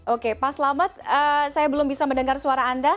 oke pak selamat saya belum bisa mendengar suara anda